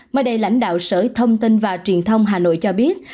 mới đây lãnh đạo sở thông tin và truyền thông hà nội cho biết